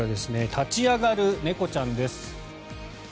立ち上がる猫ちゃんです。